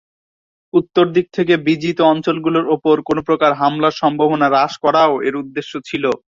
উত্তর দিক থেকে বিজিত অঞ্চলগুলোর উপর কোনো প্রকার হামলার সম্ভাবনা হ্রাস করাও এর উদ্দেশ্য ছিল।